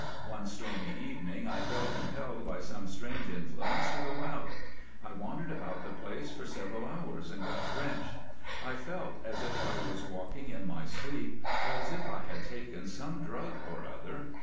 One stormy evening I felt impelled by some strange influence to go out. I wandered about the place for several hours and got drenched. I felt as if I was walking in my sleep, or as if I had taken some drug or other.